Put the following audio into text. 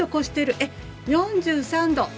えっ４３℃。